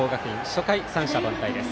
初回、三者凡退です。